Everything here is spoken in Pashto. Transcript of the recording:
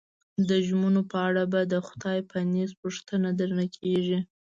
د ژمنو په اړه به د خدای په نزد پوښتنه درنه کېږي.